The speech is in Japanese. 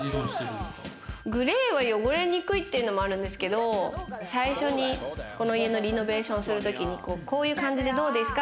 グレーは汚れにくいっていうのもあるんですけど最初に、この家のリノベーションをする時に、こういう感じでどうですか？